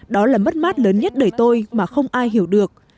đó là mất mát lớn nhất đời tôi mà không ai hiểu được